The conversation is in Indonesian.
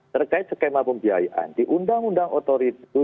terkait skema pembiayaan di undang undang otorita